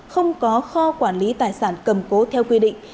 không có kho quản lý tài sản cầm cố theo quy định